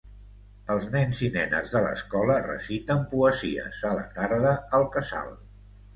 Els nens i nenes de l'escola reciten poesies, a la tarda, al Casal.